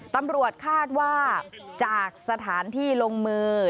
ตำรวจคาดว่าจากสถานที่ลงมือ